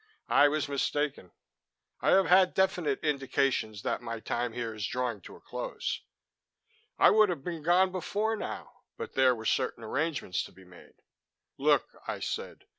I was mistaken. I have had definite indications that my time here is drawing to a close. I would have been gone before now, but there were certain arrangements to be made." "Look," I said.